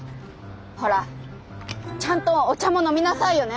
ほらちゃんとお茶も飲みなさいよね！